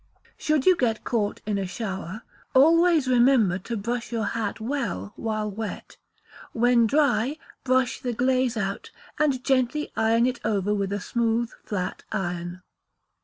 Should you get caught in a shower, always remember to brush your hat well while wet. When dry, brush the glaze out, and gently iron it over with a smooth flat iron.